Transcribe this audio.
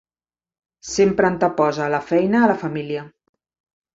Sempre anteposa la feina a la família.